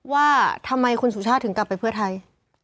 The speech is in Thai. ว่าทำไมคุณสุชาติถึงกลับไปเพื่อไทย